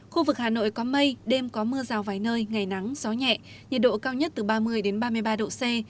khu vực hà nội có mây đêm có mưa rào vài nơi ngày nắng gió nhẹ nhiệt độ cao nhất từ ba mươi ba mươi ba độ c